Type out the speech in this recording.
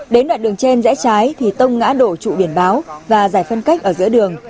đến đoạn đường trên rẽ trái thì tông ngã đổ trụ biển báo và giải phân cách ở giữa đường